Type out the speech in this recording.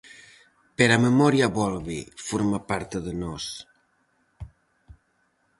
Pero a memoria volve, forma parte de nós.